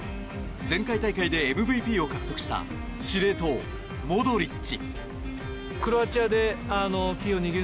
前回大会でＭＶＰを獲得した司令塔モドリッチ。